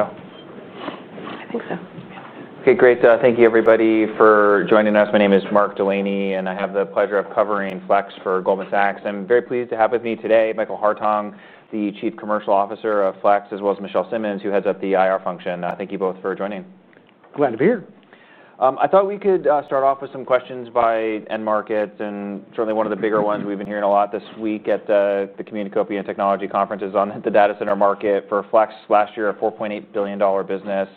I think so. Okay, great. Thank you, everybody, for joining us. My name is Mark Delaney, and I have the pleasure of covering Flex for Goldman Sachs. I'm very pleased to have with me today Michael Hartung, the Chief Commercial Officer of Flex, as well as Michelle Simmons, who heads up the IR function. Thank you both for joining. Glad to be here. I thought we could start off with some questions by end markets, and certainly one of the bigger ones we've been hearing a lot this week at the Communacopia & Technology Conference on the data center market for Flex. Last year, a $4.8 billion business.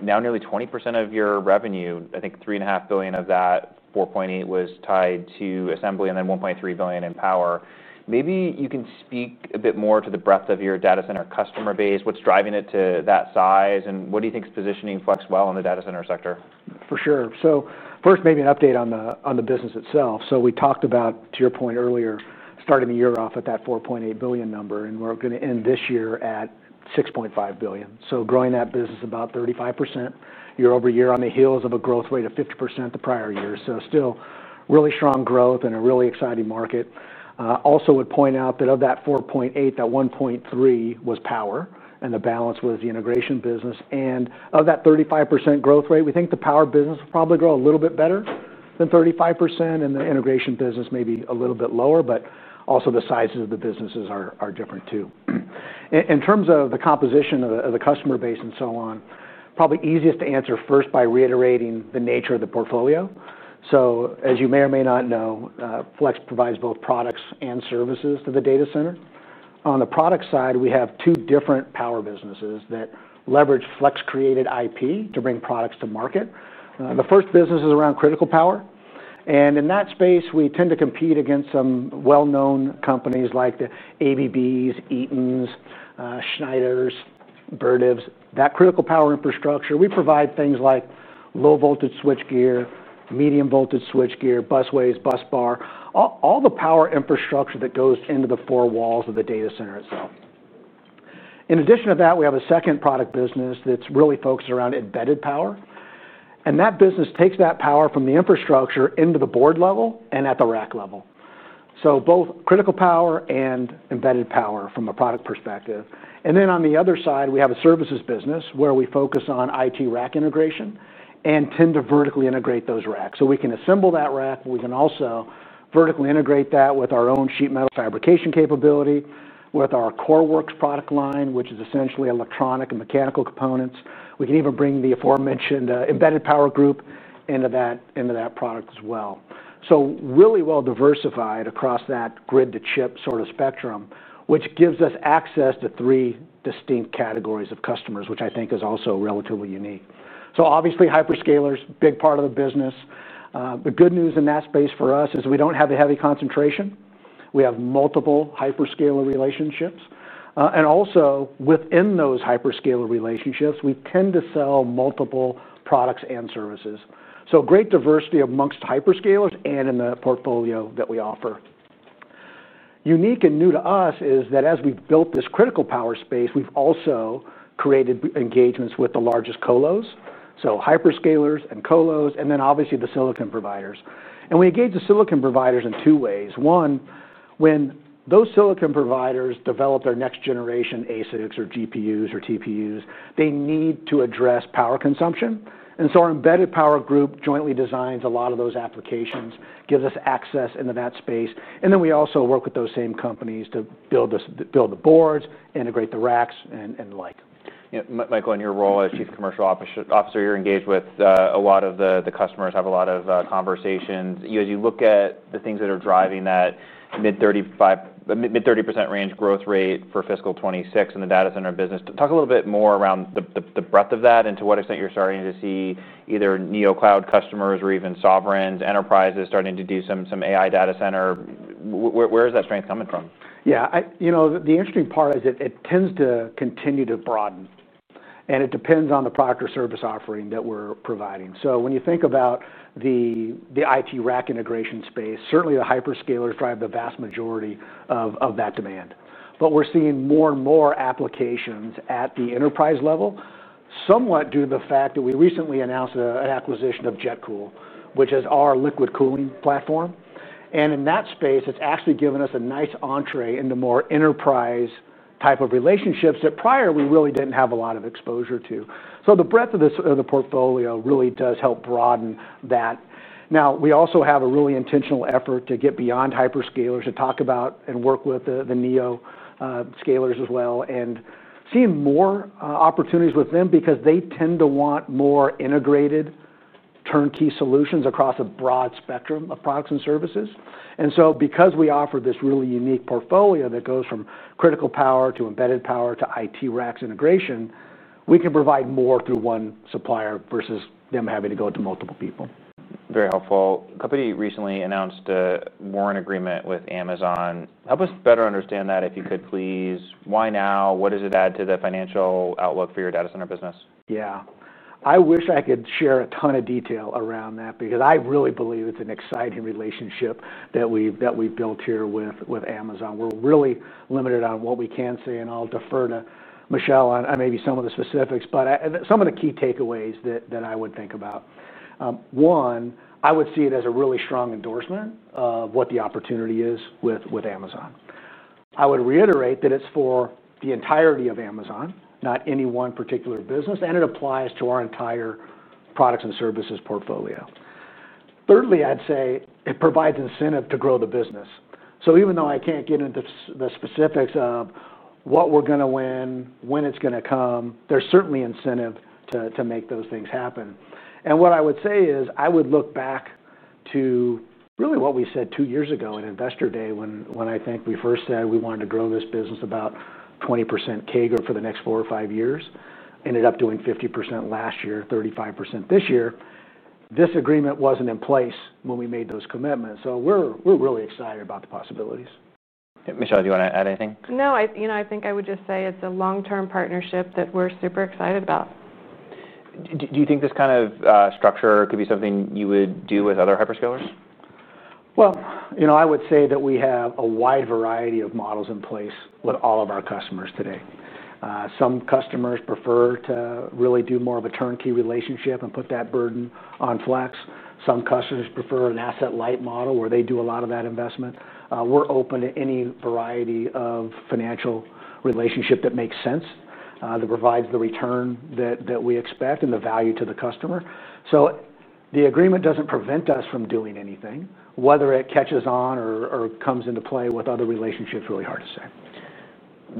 Now, nearly 20% of your revenue, I think $3.5 billion of that $4.8 billion was tied to assembly, and then $1.3 billion in power. Maybe you can speak a bit more to the breadth of your data center customer base, what's driving it to that size, and what do you think is positioning Flex well in the data center sector? For sure. First, maybe an update on the business itself. We talked about, to your point earlier, starting the year off at that $4.8 billion number, and we're going to end this year at $6.5 billion. Growing that business about 35% year -over -year on the heels of a growth rate of 50% the prior year. Still really strong growth in a really exciting market. I would point out that of that $4.8 billion, $1.3 billion was power, and the balance was the integration business. Of that 35% growth rate, we think the power business will probably grow a little bit better than 35%, and the integration business may be a little bit lower, but also the sizes of the businesses are different too. In terms of the composition of the customer base and so on, probably easiest to answer first by reiterating the nature of the portfolio. As you may or may not know, Flex provides both products and services to the data center. On the product side, we have two different power businesses that leverage Flex-created IP to bring products to market. The first business is around critical power, and in that space, we tend to compete against some well-known companies like the ABB, Eaton, Schneider, and Vertiv. That critical power infrastructure, we provide things like low-voltage switch gear, medium-voltage switch gear, busways, bus bar, all the power infrastructure that goes into the four walls of the data center itself. In addition to that, we have a second product business that's really focused around embedded power, and that business takes that power from the infrastructure into the board level and at the rack level. Both critical power and embedded power from a product perspective. On the other side, we have a services business where we focus on IT rack integration and tend to vertically integrate those racks. We can assemble that rack, but we can also vertically integrate that with our own sheet metal fabrication capability, with our Coreworks product line, which is essentially electronic and mechanical components. We can even bring the aforementioned embedded power group into that product as well. Really well diversified across that grid-to-chip sort of spectrum, which gives us access to three distinct categories of customers, which I think is also relatively unique. Obviously, hyperscalers, big part of the business. The good news in that space for us is we don't have a heavy concentration. We have multiple hyperscaler relationships, and also within those hyperscaler relationships, we tend to sell multiple products and services. Great diversity amongst hyperscalers and in the portfolio that we offer. Unique and new to us is that as we've built this critical power space, we've also created engagements with the largest colos , hyperscalers and colos, and obviously the silicon providers. We engage the silicon providers in two ways. One, when those silicon providers develop their next-generation ASICs or GPUs or TPUs, they need to address power consumption. Our embedded power group jointly designs a lot of those applications, gives us access into that space, and we also work with those same companies to build the boards, integrate the racks, and the like. Yeah, Michael, in your role as Chief Commercial Officer, you're engaged with a lot of the customers, have a lot of conversations. As you look at the things that are driving that mid-30% range growth rate for fiscal 2026 in the data center business, talk a little bit more around the breadth of that and to what extent you're starting to see either NeoCloud customers or even sovereigns, enterprises starting to do some AI data center. Where is that strength coming from? Yeah, you know, the interesting part is that it tends to continue to broaden, and it depends on the product or service offering that we're providing. When you think about the IT rack integration space, certainly the hyperscalers drive the vast majority of that demand. We're seeing more and more applications at the enterprise level, somewhat due to the fact that we recently announced an acquisition of JetCool, which is our liquid cooling platform. In that space, it's actually given us a nice entry into more enterprise type of relationships that prior we really didn't have a lot of exposure to. The breadth of the portfolio really does help broaden that. We also have a really intentional effort to get beyond hyperscalers to talk about and work with the Neo Scalers as well and see more opportunities with them because they tend to want more integrated turnkey solutions across a broad spectrum of products and services. Because we offer this really unique portfolio that goes from critical power to embedded power to IT rack integration, we can provide more through one supplier versus them having to go to multiple people. Very helpful. The company recently announced a warrant agreement with Amazon. Help us better understand that, if you could please. Why now? What does it add to the financial outlook for your data center business? Yeah, I wish I could share a ton of detail around that because I really believe it's an exciting relationship that we've built here with Amazon. We're really limited on what we can say, and I'll defer to Michelle on maybe some of the specifics, but some of the key takeaways that I would think about. One, I would see it as a really strong endorsement of what the opportunity is with Amazon. I would reiterate that it's for the entirety of Amazon, not any one particular business, and it applies to our entire products and services portfolio. Thirdly, I'd say it provides incentive to grow the business. Even though I can't get into the specifics of what we're going to win, when it's going to come, there's certainly incentive to make those things happen. What I would say is I would look back to really what we said two years ago at Investor Day, when I think we first said we wanted to grow this business about 20% CAGR for the next four or five years, ended up doing 50% last year, 35% this year. This agreement wasn't in place when we made those commitments. We're really excited about the possibilities. Michelle, do you want to add anything? No, I think I would just say it's a long-term partnership that we're super excited about. Do you think this kind of structure could be something you would do with other hyperscalers? I would say that we have a wide variety of models in place with all of our customers today. Some customers prefer to really do more of a turnkey relationship and put that burden on Flex. Some customers prefer an asset-light model where they do a lot of that investment. We're open to any variety of financial relationship that makes sense, that provides the return that we expect and the value to the customer. The agreement doesn't prevent us from doing anything. Whether it catches on or comes into play with other relationships, really hard to say.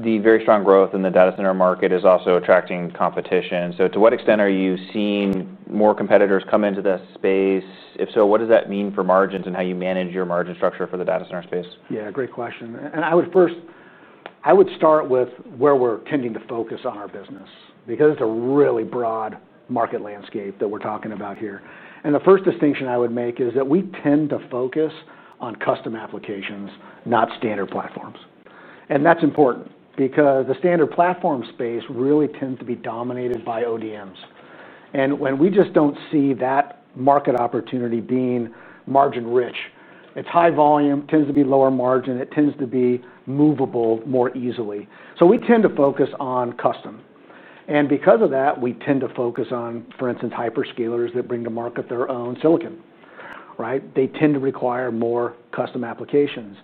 The very strong growth in the data center market is also attracting competition. To what extent are you seeing more competitors come into this space? If so, what does that mean for margins and how you manage your margin structure for the data center space? Yeah, great question. I would start with where we're tending to focus on our business because it's a really broad market landscape that we're talking about here. The first distinction I would make is that we tend to focus on custom applications, not standard platforms. That's important because the standard platform space really tends to be dominated by ODMs. We just don't see that market opportunity being margin-rich. It's high volume, tends to be lower margin, it tends to be movable more easily. We tend to focus on custom. Because of that, we tend to focus on, for instance, hyperscalers that bring to market their own silicon. They tend to require more custom applications.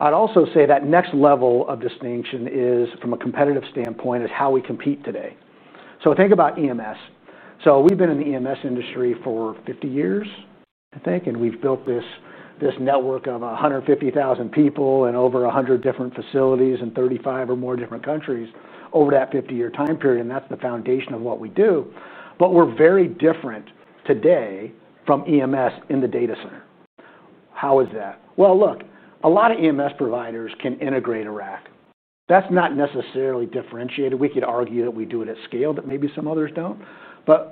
I'd also say that next level of distinction is, from a competitive standpoint, how we compete today. Think about EMS. We've been in the EMS industry for 50 years, I think, and we've built this network of 150,000 people and over 100 different facilities in 35 or more different countries over that 50-year time period. That's the foundation of what we do. We're very different today from EMS in the data center. How is that? A lot of EMS providers can integrate a rack. That's not necessarily differentiated. We could argue that we do it at scale, but maybe some others don't.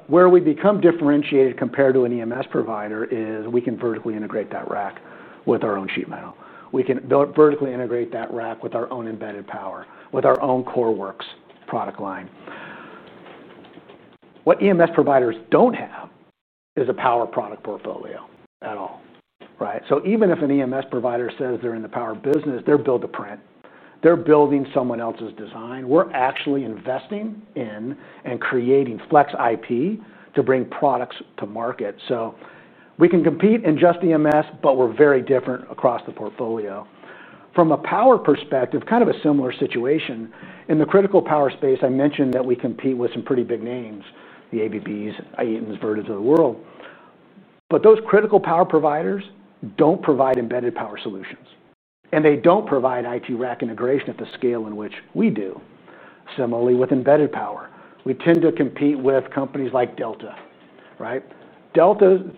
Where we become differentiated compared to an EMS provider is we can vertically integrate that rack with our own sheet metal. We can vertically integrate that rack with our own embedded power, with our own Coreworks product line. What EMS providers don't have is a power product portfolio at all. Even if an EMS provider says they're in the power business, they're build-to-print. They're building someone else's design. We're actually investing in and creating Flex IP to bring products to market. We can compete in just EMS, but we're very different across the portfolio. From a power perspective, kind of a similar situation. In the critical power space, I mentioned that we compete with some pretty big names, the ABB, Eaton, Vertiv of the world. Those critical power providers don't provide embedded power solutions. They don't provide IT rack integration at the scale in which we do. Similarly, with embedded power, we tend to compete with companies like Delta. Delta is a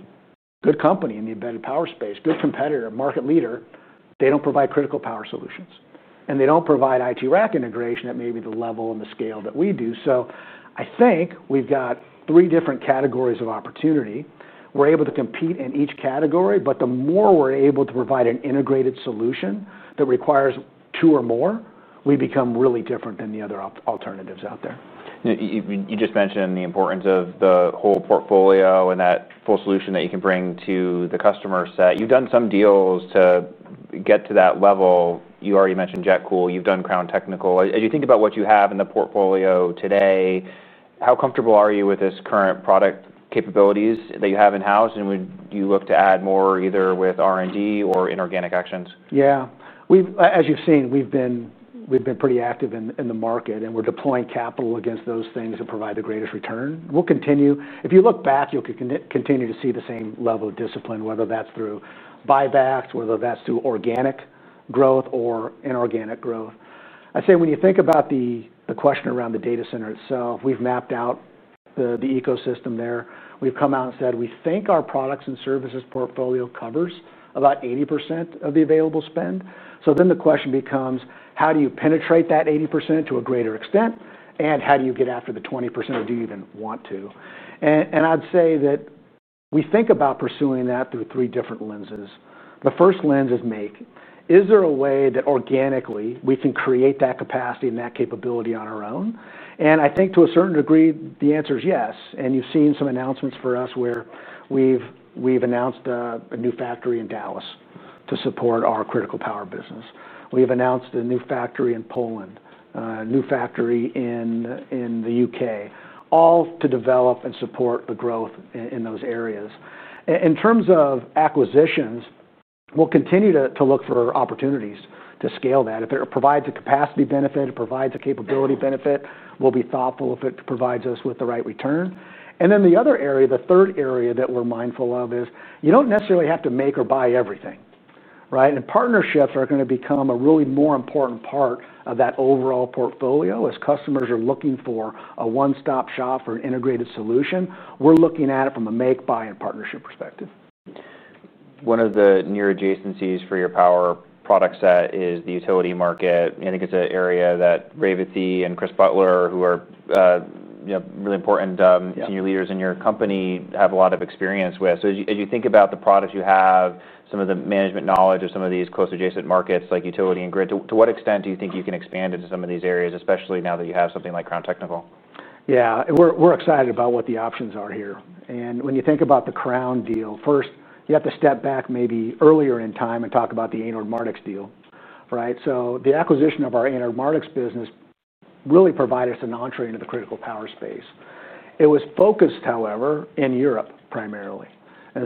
good company in the embedded power space, good competitor, market leader. They don't provide critical power solutions. They don't provide IT rack integration at maybe the level and the scale that we do. I think we've got three different categories of opportunity. We're able to compete in each category, but the more we're able to provide an integrated solution that requires two or more, we become really different than the other alternatives out there. You just mentioned the importance of the whole portfolio and that full solution that you can bring to the customer set. You've done some deals to get to that level. You already mentioned JetCool. You've done Crown Technical. As you think about what you have in the portfolio today, how comfortable are you with this current product capabilities that you have in-house? Would you look to add more either with R&D or inorganic actions? Yeah, as you've seen, we've been pretty active in the market, and we're deploying capital against those things that provide the greatest return. We'll continue. If you look back, you'll continue to see the same level of discipline, whether that's through buybacks, whether that's through organic growth or inorganic growth. When you think about the question around the data center itself, we've mapped out the ecosystem there. We've come out and said, we think our products and services portfolio covers about 80% of the available spend. The question becomes, how do you penetrate that 80% to a greater extent? How do you get after the 20%? Do you even want to? I'd say that we think about pursuing that through three different lenses. The first lens is make. Is there a way that organically we can create that capacity and that capability on our own? I think to a certain degree, the answer is yes. You've seen some announcements from us where we've announced a new factory in Dallas to support our critical power business. We've announced a new factory in Poland, a new factory in the U.K., all to develop and support the growth in those areas. In terms of acquisitions, we'll continue to look for opportunities to scale that. If it provides a capacity benefit, it provides a capability benefit. We'll be thoughtful if it provides us with the right return. The other area, the third area that we're mindful of is you don't necessarily have to make or buy everything. Partnerships are going to become a really more important part of that overall portfolio as customers are looking for a one-stop shop for an integrated solution. We're looking at it from a make-buy and partnership perspective. One of the near adjacencies for your power product set is the utility market. I think it's an area that Revathi and Chris Butler, who are really important senior leaders in your company, have a lot of experience with. As you think about the products you have, some of the management knowledge of some of these close adjacent markets like utility and grid, to what extent do you think you can expand into some of these areas, especially now that you have something like Crown Technical? Yeah, we're excited about what the options are here. When you think about the Crown deal, first, you have to step back maybe earlier in time and talk about the Anord Mardix deal, right? The acquisition of our Anord Mardix business really provided us an entree into the critical power space. It was focused, however, in Europe primarily.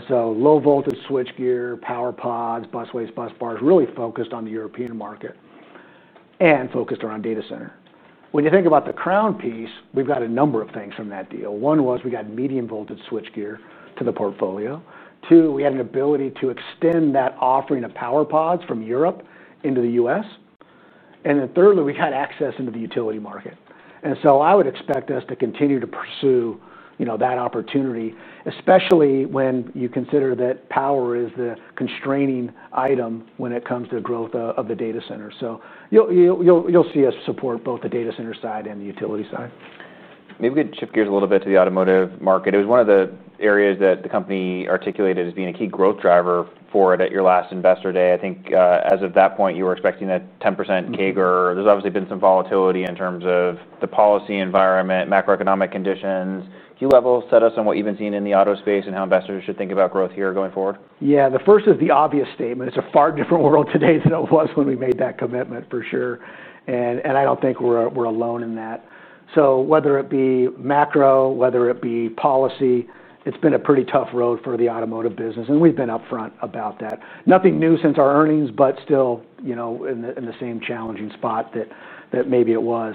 Low-voltage switch gear, power pods, busways, bus bars really focused on the European market and focused around data center. When you think about the Crown piece, we've got a number of things from that deal. One was we got medium-voltage switch gear to the portfolio. Two, we had an ability to extend that offering of power pods from Europe into the U.S. Thirdly, we had access into the utility market. I would expect us to continue to pursue that opportunity, especially when you consider that power is the constraining item when it comes to the growth of the data center. You'll see us support both the data center side and the utility side. Maybe we could shift gears a little bit to the automotive market. It was one of the areas that the company articulated as being a key growth driver for it at your last Investor Day. I think as of that point, you were expecting that 10% CAGR. There's obviously been some volatility in terms of the policy environment, macroeconomic conditions. Can you level set us on what you've been seeing in the auto space and how investors should think about growth here going forward? Yeah, the first is the obvious statement. It's a far different world today than it was when we made that commitment, for sure. I don't think we're alone in that. Whether it be macro, whether it be policy, it's been a pretty tough road for the automotive business. We've been upfront about that. Nothing new since our earnings, but still, you know, in the same challenging spot that maybe it was.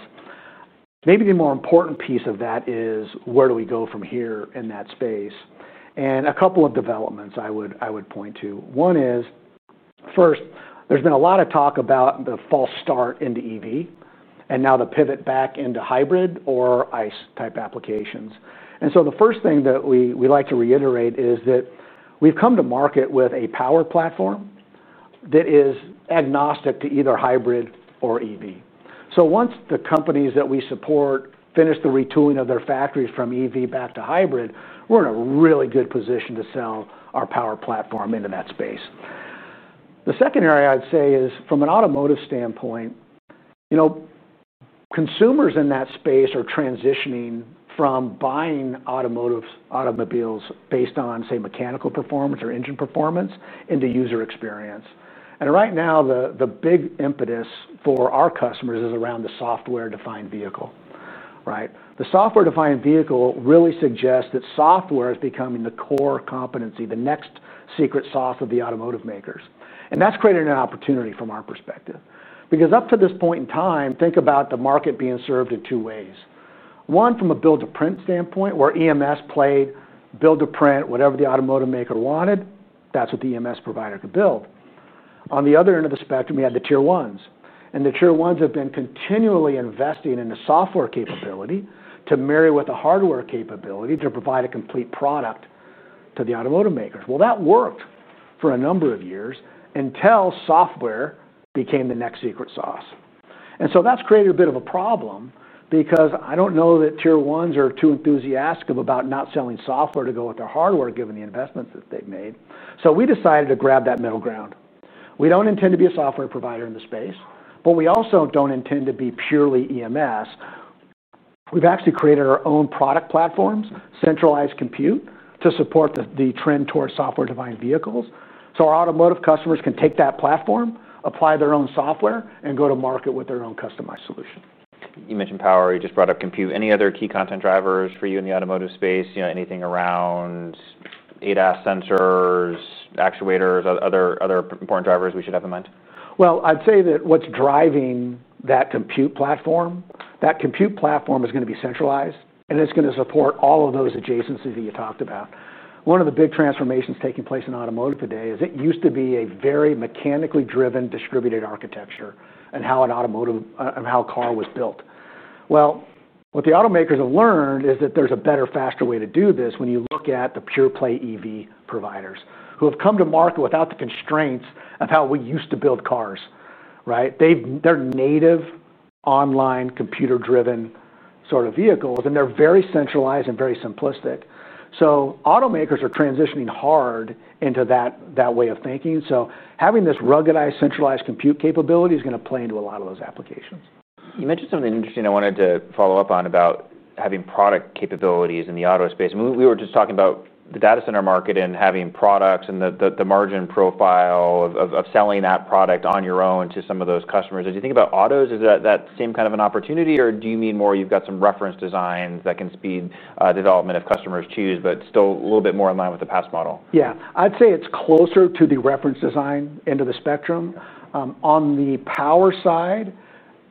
Maybe the more important piece of that is where do we go from here in that space? A couple of developments I would point to. One is, first, there's been a lot of talk about the false start into EV and now the pivot back into hybrid or ICE type applications. The first thing that we like to reiterate is that we've come to market with a power platform that is agnostic to either hybrid or EV. Once the companies that we support finish the retooling of their factories from EV back to hybrid, we're in a really good position to sell our power platform into that space. The second area I'd say is, from an automotive standpoint, consumers in that space are transitioning from buying automobiles based on, say, mechanical performance or engine performance into user experience. Right now, the big impetus for our customers is around the software-defined vehicle. The software-defined vehicle really suggests that software is becoming the core competency, the next secret sauce of the automotive makers. That's creating an opportunity from our perspective. Up to this point in time, think about the market being served in two ways. One, from a build-to-print standpoint, where EMS played build-to-print, whatever the automotive maker wanted, that's what the EMS provider could build. On the other end of the spectrum, we had the tier ones. The tier ones have been continually investing in a software capability to marry with a hardware capability to provide a complete product to the automotive makers. That worked for a number of years until software became the next secret sauce. That's created a bit of a problem because I don't know that tier ones are too enthusiastic about not selling software to go with their hardware, given the investments that they've made. We decided to grab that middle ground. We don't intend to be a software provider in the space, but we also don't intend to be purely EMS. We've actually created our own product platforms, centralized compute, to support the trend towards software-defined vehicles. Our automotive customers can take that platform, apply their own software, and go to market with their own customized solution. You mentioned power. You just brought up compute. Any other key content drivers for you in the automotive space? Anything around ADAS sensors, actuators, other important drivers we should have in mind? I'd say that what's driving that compute platform, that compute platform is going to be centralized, and it's going to support all of those adjacencies that you talked about. One of the big transformations taking place in automotive today is it used to be a very mechanically driven distributed architecture and how an automotive and how a car was built. What the automakers have learned is that there's a better, faster way to do this when you look at the pure-play EV providers who have come to market without the constraints of how we used to build cars. Right? They're native online computer-driven sort of vehicles, and they're very centralized and very simplistic. Automakers are transitioning hard into that way of thinking. Having this ruggedized centralized compute capability is going to play into a lot of those applications. You mentioned something interesting I wanted to follow up on about having product capabilities in the auto space. We were just talking about the data center market and having products and the margin profile of selling that product on your own to some of those customers. As you think about autos, is that that same kind of an opportunity, or do you mean more you've got some reference designs that can speed development if customers choose, but still a little bit more in line with the past model? Yeah, I'd say it's closer to the reference design end of the spectrum. On the power side,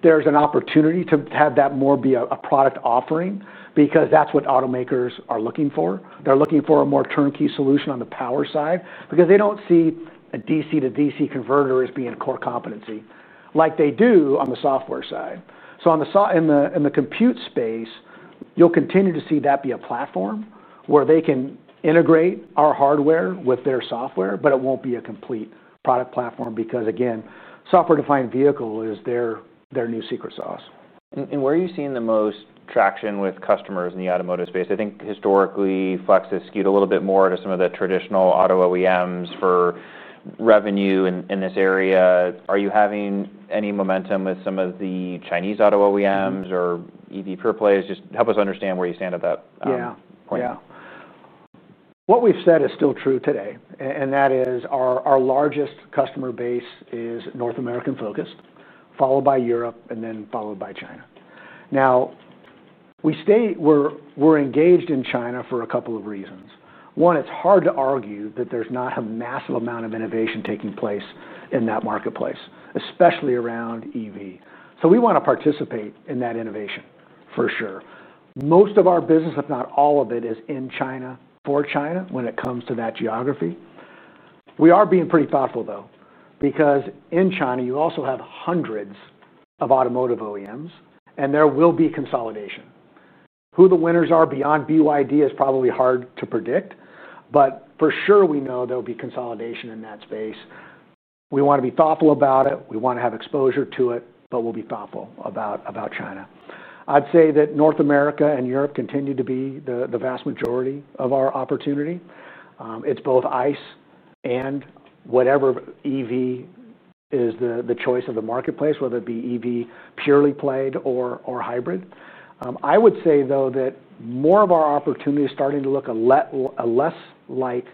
there's an opportunity to have that more be a product offering because that's what automakers are looking for. They're looking for a more turnkey solution on the power side because they don't see a DC to DC converter as being core competency, like they do on the software side. In the compute space, you'll continue to see that be a platform where they can integrate our hardware with their software, but it won't be a complete product platform because, again, software-defined vehicle is their new secret sauce. Where are you seeing the most traction with customers in the automotive space? I think historically, Flex has skewed a little bit more to some of the traditional auto OEMs for revenue in this area. Are you having any momentum with some of the Chinese auto OEMs or EV pure plays? Just help us understand where you stand at that point. Yeah, what we've said is still true today, and that is our largest customer base is North American-focused, followed by Europe and then followed by China. We stay, we're engaged in China for a couple of reasons. One, it's hard to argue that there's not a massive amount of innovation taking place in that marketplace, especially around EV. We want to participate in that innovation, for sure. Most of our business, if not all of it, is in China, for China, when it comes to that geography. We are being pretty thoughtful, though, because in China, you also have hundreds of automotive OEMs, and there will be consolidation. Who the winners are beyond BYD is probably hard to predict, but for sure, we know there will be consolidation in that space. We want to be thoughtful about it. We want to have exposure to it, but we'll be thoughtful about China. I'd say that North America and Europe continue to be the vast majority of our opportunity. It's both ICE and whatever EV is the choice of the marketplace, whether it be EV purely played or hybrid. I would say, though, that more of our opportunity is starting to look a less like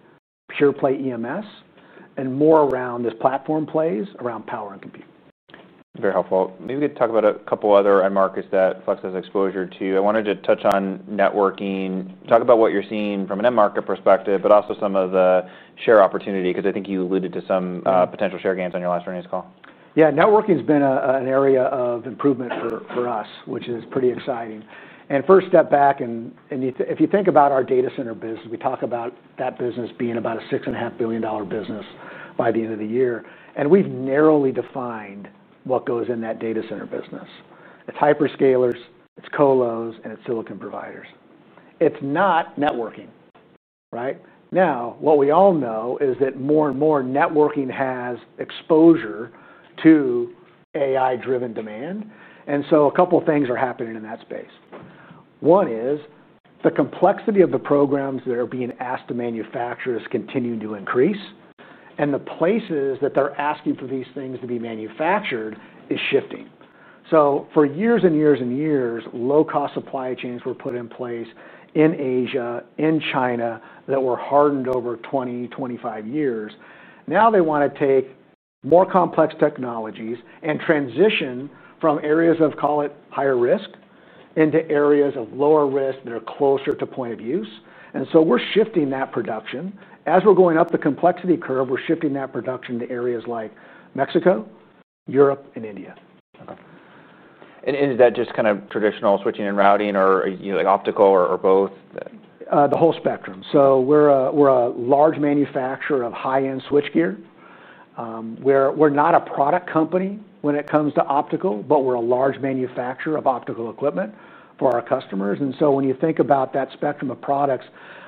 pure play EMS and more around these platform plays around power and compute. Very helpful. Maybe we could talk about a couple of other end markets that Flex has exposure to. I wanted to touch on networking, talk about what you're seeing from an end market perspective, but also some of the share opportunity, because I think you alluded to some potential share gains on your last earnings call. Yeah, networking has been an area of improvement for us, which is pretty exciting. First, step back, and if you think about our data center business, we talk about that business being about a $6.5 billion business by the end of the year. We've narrowly defined what goes in that data center business. It's hyperscalers, it's colo s, and it's silicon vendors. It's not networking, right? What we all know is that more and more networking has exposure to AI-driven demand. A couple of things are happening in that space. One is the complexity of the programs that are being asked to manufacture is continuing to increase, and the places that they're asking for these things to be manufactured are shifting. For years and years and years, low-cost supply chains were put in place in Asia, in China, that were hardened over 20, 25 years. Now, they want to take more complex technologies and transition from areas of, call it, higher risk into areas of lower risk that are closer to point of use. We're shifting that production. As we're going up the complexity curve, we're shifting that production to areas like Mexico, Europe, and India. Is that just kind of traditional switching and routing, or are you like optical or both? The whole spectrum. We're a large manufacturer of high-end switch gear. We're not a product company when it comes to optical, but we're a large manufacturer of optical equipment for our customers. When you think about that spectrum of products,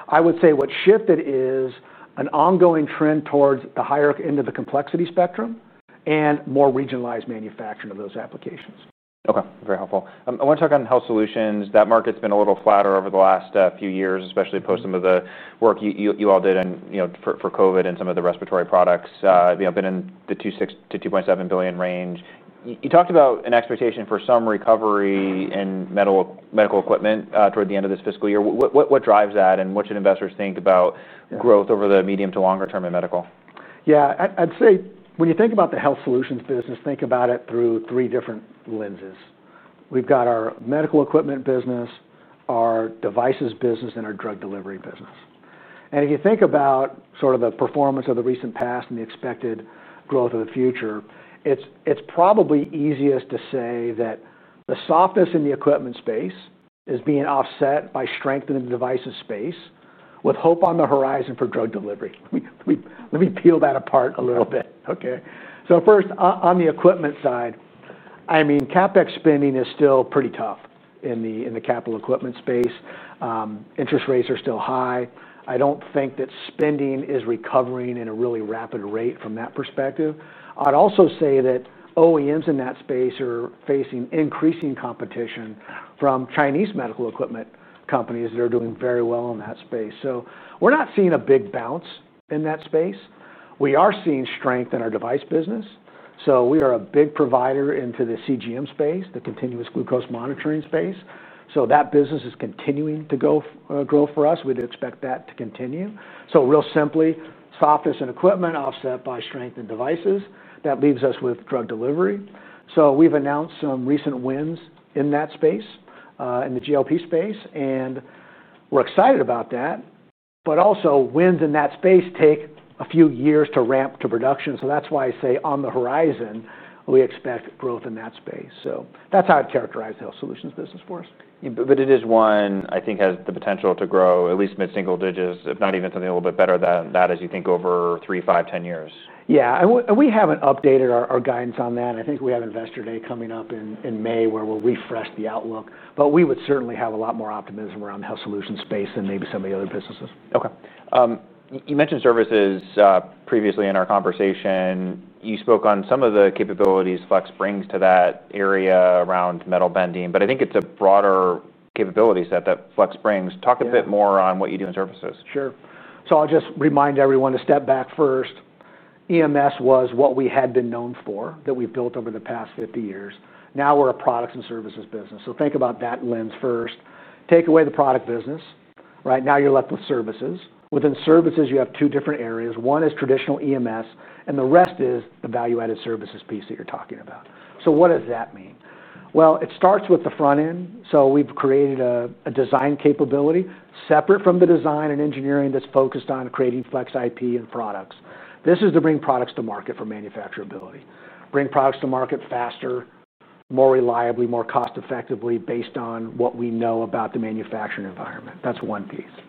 I would say what shifted is an ongoing trend towards the higher end of the complexity spectrum and more regionalized manufacturing of those applications. Okay, very helpful. I want to talk on health solutions. That market's been a little flatter over the last few years, especially post some of the work you all did for COVID and some of the respiratory products. You know, been in the $2.6 billion- $2.7 billion range. You talked about an expectation for some recovery in medical equipment toward the end of this fiscal year. What drives that and what should investors think about growth over the medium to longer term in medical? Yeah, I'd say when you think about the health solutions business, think about it through three different lenses. We've got our medical equipment business, our devices business, and our drug delivery business. If you think about sort of the performance of the recent past and the expected growth of the future, it's probably easiest to say that the softness in the equipment space is being offset by strengthening the devices space with hope on the horizon for drug delivery. Let me peel that apart a little bit. First, on the equipment side, CapEx spending is still pretty tough in the capital equipment space. Interest rates are still high. I don't think that spending is recovering at a really rapid rate from that perspective. I'd also say that OEMs in that space are facing increasing competition from Chinese medical equipment companies that are doing very well in that space. We're not seeing a big bounce in that space. We are seeing strength in our device business. We are a big provider into the continuous glucose monitoring space. That business is continuing to grow for us. We'd expect that to continue. Real simply, softness in equipment offset by strength in devices. That leaves us with drug delivery. We've announced some recent wins in that space, in the GLP space, and we're excited about that. Also, wins in that space take a few years to ramp to production. That's why I say on the horizon, we expect growth in that space. That's how I'd characterize the health solutions business for us. I think it has the potential to grow at least mid-single digits, if not even something a little bit better than that as you think over three, five, ten years. Yeah, we haven't updated our guidance on that. I think we have Investor Day coming up in May where we'll refresh the outlook. We would certainly have a lot more optimism around the health solutions space and maybe some of the other businesses. Okay. You mentioned services previously in our conversation. You spoke on some of the capabilities Flex brings to that area around metal bending, but I think it's a broader capability set that Flex brings. Talk a bit more on what you do in services. Sure. I'll just remind everyone to step back first. EMS was what we had been known for, that we've built over the past 50 years. Now we're a products and services business. Think about that lens first. Take away the product business. Right now, you're left with services. Within services, you have two different areas. One is traditional EMS, and the rest is the value-added services piece that you're talking about. What does that mean? It starts with the front end. We've created a design capability separate from the design and engineering that's focused on creating Flex IP and products. This is to bring products to market for manufacturability, bring products to market faster, more reliably, more cost-effectively based on what we know about the manufacturing environment. That's one piece.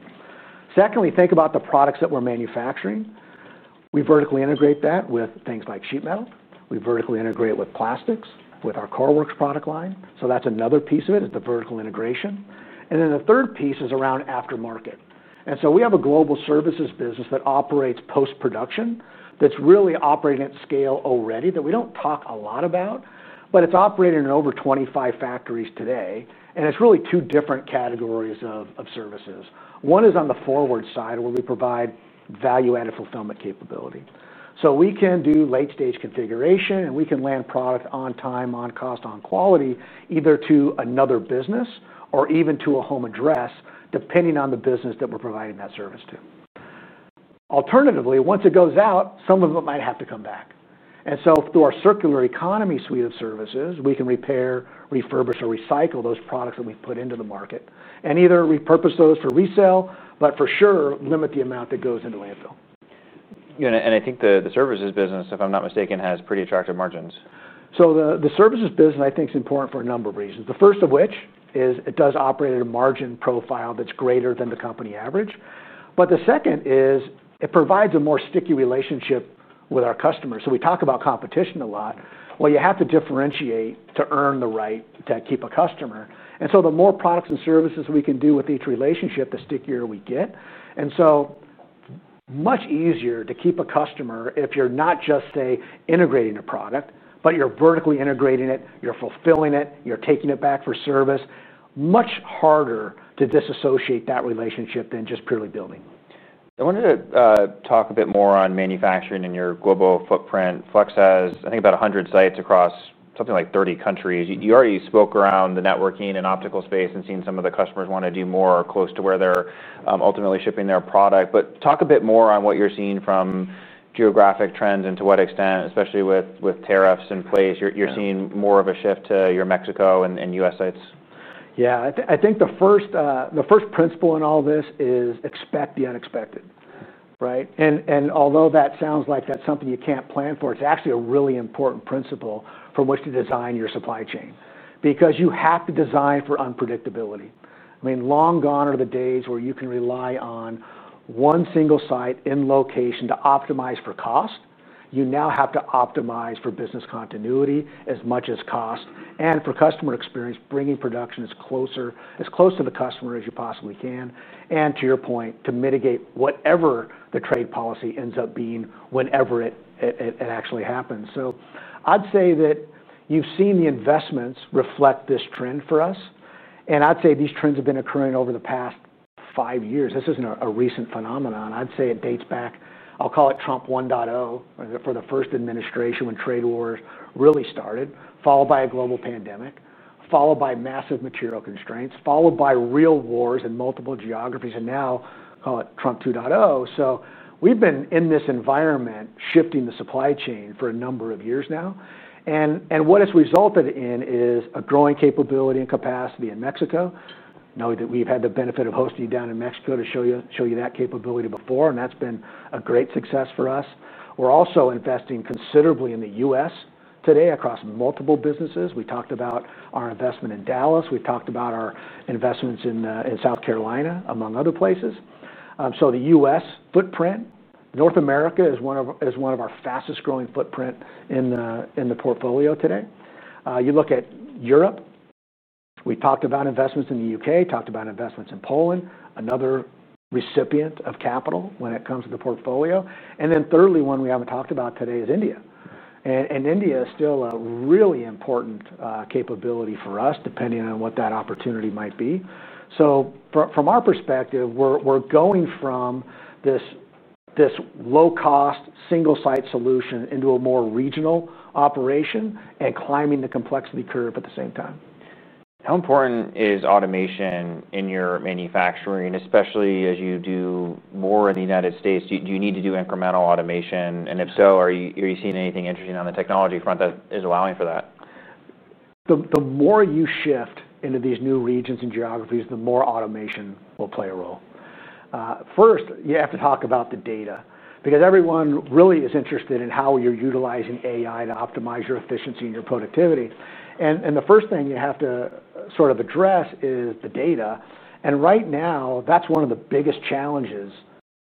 Secondly, think about the products that we're manufacturing. We vertically integrate that with things like sheet metal. We vertically integrate with plastics with our Coreworks product line. That's another piece of it, the vertical integration. The third piece is around aftermarket. We have a global services business that operates post-production that's really operating at scale already that we don't talk a lot about, but it's operating in over 25 factories today. It's really two different categories of services. One is on the forward side where we provide value-added fulfillment capability. We can do late-stage configuration, and we can land product on time, on cost, on quality, either to another business or even to a home address, depending on the business that we're providing that service to. Alternatively, once it goes out, some of it might have to come back. Through our circular economy suite of services, we can repair, refurbish, or recycle those products that we've put into the market and either repurpose those for resale, but for sure limit the amount that goes into landfill. I think the services business, if I'm not mistaken, has pretty attractive margins. The services business I think is important for a number of reasons. The first of which is it does operate at a margin profile that's greater than the company average. The second is it provides a more sticky relationship with our customers. We talk about competition a lot. You have to differentiate to earn the right to keep a customer. The more products and services we can do with each relationship, the stickier we get. It is much easier to keep a customer if you're not just, say, integrating a product, but you're vertically integrating it, you're fulfilling it, you're taking it back for service. It is much harder to disassociate that relationship than just purely building. I wanted to talk a bit more on manufacturing and your global footprint. Flex has, I think, about 100 sites across something like 30 countries. You already spoke around the networking and optical space and seen some of the customers want to do more close to where they're ultimately shipping their product. Talk a bit more on what you're seeing from geographic trends and to what extent, especially with tariffs in place. You're seeing more of a shift to your Mexico and U.S. sites. Yeah, I think the first principle in all this is expect the unexpected, right? Although that sounds like that's something you can't plan for, it's actually a really important principle from which to design your supply chain because you have to design for unpredictability. Long gone are the days where you can rely on one single site in location to optimize for cost. You now have to optimize for business continuity as much as cost and for customer experience, bringing production as close to the customer as you possibly can. To your point, to mitigate whatever the trade policy ends up being whenever it actually happens. I'd say that you've seen the investments reflect this trend for us. I'd say these trends have been occurring over the past five years. This isn't a recent phenomenon. I'd say it dates back, I'll call it Trump 1.0, for the first administration when trade wars really started, followed by a global pandemic, followed by massive material constraints, followed by real wars in multiple geographies, and now call it Trump 2.0. We've been in this environment shifting the supply chain for a number of years now. What it's resulted in is a growing capability and capacity in Mexico, knowing that we've had the benefit of hosting you down in Mexico to show you that capability before, and that's been a great success for us. We're also investing considerably in the U.S. today across multiple businesses. We talked about our investment in Dallas. We talked about our investments in South Carolina, among other places. The U.S. footprint, North America is one of our fastest growing footprint in the portfolio today. You look at Europe, we talked about investments in the U.K., talked about investments in Poland, another recipient of capital when it comes to the portfolio. Thirdly, one we haven't talked about today is India. India is still a really important capability for us, depending on what that opportunity might be. From our perspective, we're going from this low-cost single-site solution into a more regional operation and climbing the complexity curve at the same time. How important is automation in your manufacturing, especially as you do more in the U.S.? Do you need to do incremental automation? If so, are you seeing anything interesting on the technology front that is allowing for that? The more you shift into these new regions and geographies, the more automation will play a role. First, you have to talk about the data because everyone really is interested in how you're utilizing AI to optimize your efficiency and your productivity. The first thing you have to sort of address is the data. Right now, that's one of the biggest challenges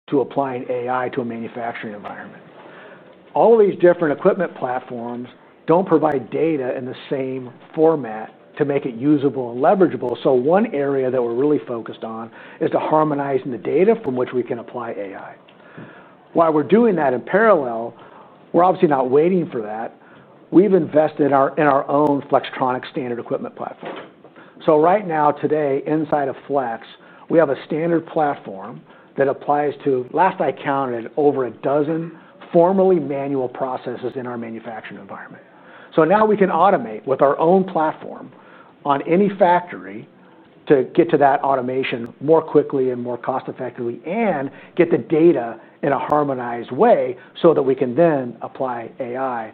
to applying AI to a manufacturing environment. All of these different equipment platforms don't provide data in the same format to make it usable and leverageable. One area that we're really focused on is to harmonize the data from which we can apply AI. While we're doing that in parallel, we're obviously not waiting for that. We've invested in our own Flextronic standard equipment platform. Right now, today, inside of Flex, we have a standard platform that applies to, last I counted, over a dozen formerly manual processes in our manufacturing environment. Now we can automate with our own platform on any factory to get to that automation more quickly and more cost-effectively and get the data in a harmonized way so that we can then apply AI.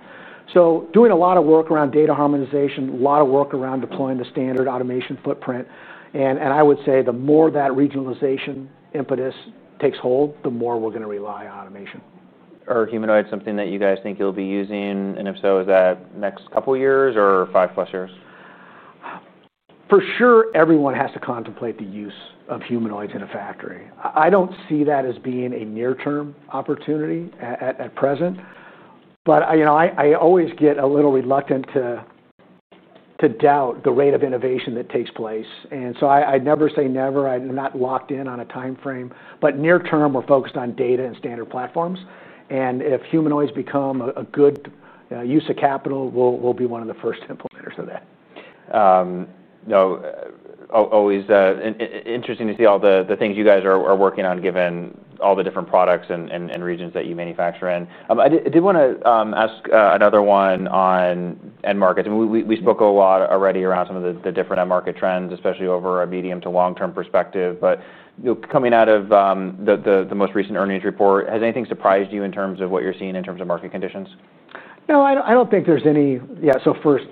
Doing a lot of work around data harmonization, a lot of work around deploying the standard automation footprint. I would say the more that regionalization impetus takes hold, the more we're going to rely on automation. Are humanoids something that you guys think you'll be using? If so, is that next couple of years or five plus years? For sure, everyone has to contemplate the use of humanoids in a factory. I don't see that as being a near-term opportunity at present. I always get a little reluctant to doubt the rate of innovation that takes place. I never say never. I'm not locked in on a timeframe. Near-term, we're focused on data and standard platforms. If humanoids become a good use of capital, we'll be one of the first implementers of that. Always interesting to see all the things you guys are working on, given all the different products and regions that you manufacture in. I did want to ask another one on end markets. We spoke a lot already around some of the different end market trends, especially over a medium to long-term perspective. Coming out of the most recent earnings report, has anything surprised you in terms of what you're seeing in terms of market conditions? No, I don't think there's any.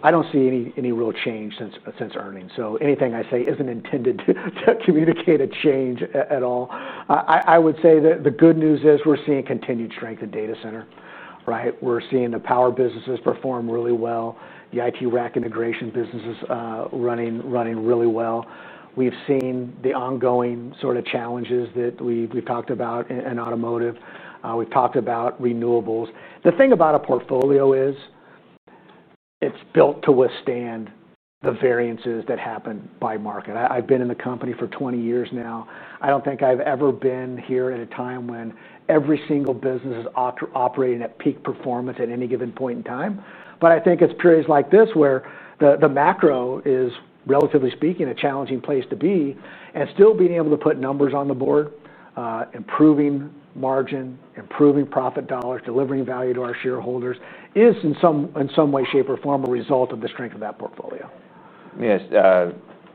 I don't see any real change since earnings. Anything I say isn't intended to communicate a change at all. The good news is we're seeing continued strength in the data center. We're seeing the power businesses perform really well. The IT rack integration business is running really well. We've seen the ongoing sort of challenges that we've talked about in automotive. We've talked about renewables. The thing about a portfolio is it's built to withstand the variances that happen by market. I've been in the company for 20 years now. I don't think I've ever been here at a time when every single business is operating at peak performance at any given point in time. I think it's periods like this where the macro is, relatively speaking, a challenging place to be. Still, being able to put numbers on the board, improving margin, improving profit dollars, delivering value to our shareholders is in some way, shape, or form a result of the strength of that portfolio.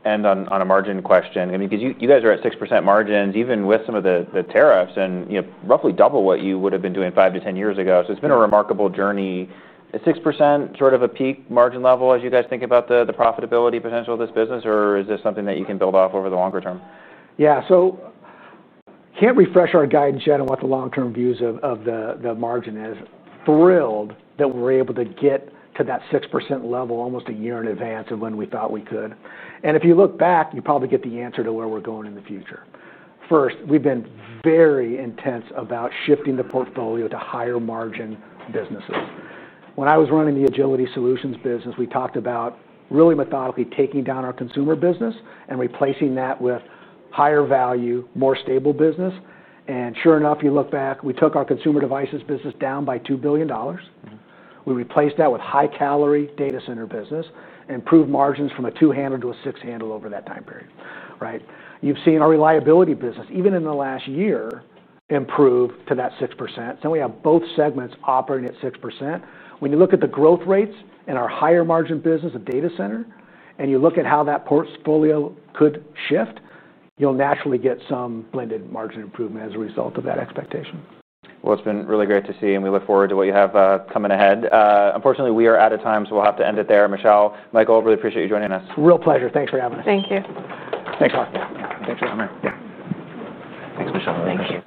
On a margin question, I mean, because you guys are at 6% margins, even with some of the tariffs and roughly double what you would have been doing 5- 10 years ago, it's been a remarkable journey. Is 6% sort of a peak margin level as you guys think about the profitability potential of this business, or is this something that you can build off over the longer term? Yeah, so, can't refresh our guidance yet on what the long-term views of the margin is. Thrilled that we're able to get to that 6% level almost a year in advance of when we thought we could. If you look back, you probably get the answer to where we're going in the future. First, we've been very intense about shifting the portfolio to higher margin businesses. When I was running the Agility Solutions business, we talked about really methodically taking down our consumer business and replacing that with higher value, more stable business. Sure enough, you look back, we took our consumer devices business down by $2 billion. We replaced that with high-calorie data center business, improved margins from a two-handle to a six-handle over that time period. Right? You've seen our Reliability business, even in the last year, improve to that 6%. We have both segments operating at 6%. When you look at the growth rates in our higher margin business, the data center, and you look at how that portfolio could shift, you'll naturally get some blended margin improvement as a result of that expectation. It has been really great to see, and we look forward to what you have coming ahead. Unfortunately, we are out of time, so we'll have to end it there. Michelle, Michael, really appreciate you joining us. Real pleasure. Thanks for having us. Thank you. Thanks a lot. Thanks for coming here. Thanks, Michelle.